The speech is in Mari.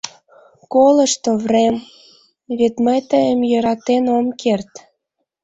Колышт, Оврем: вет мый тыйым йӧратен ом керт.